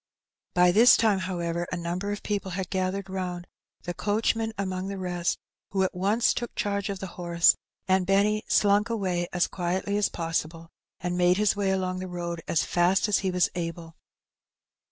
By this time, however, a number of people had gathered round, the coachman amongst the rest, who at once took charge of the horse, and Benny slunk away as quietly as possible, and made his way aloug the road as fast as he was able.